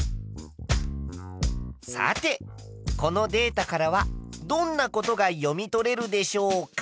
さてこのデータからはどんなことが読み取れるでしょうか？